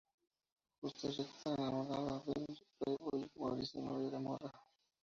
Justa y recta, es enamorada de del "playboy" Maurício, novio de Amora.